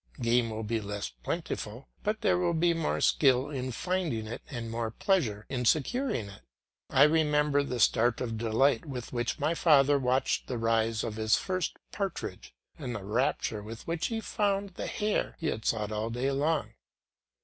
Game will be less plentiful, but there will be more skill in finding it, and more pleasure in securing it. I remember the start of delight with which my father watched the rise of his first partridge and the rapture with which he found the hare he had sought all day long.